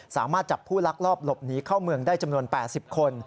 สามารถจับผู้ลักลอบหลบหนีเข้าเมืองได้จำนวน๘๐คน